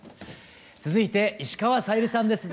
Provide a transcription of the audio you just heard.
続いて石川さゆりさんです。